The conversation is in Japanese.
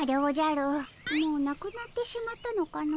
もうなくなってしまったのかの。